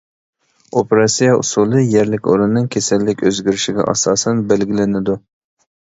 ئوپېراتسىيە ئۇسۇلى يەرلىك ئورۇننىڭ كېسەللىك ئۆزگىرىشىگە ئاساسەن بەلگىلىنىدۇ.